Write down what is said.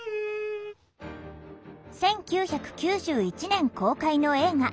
１９９１年公開の映画